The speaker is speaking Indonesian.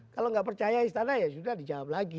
kalau nggak percaya istana ya sudah dijawab lagi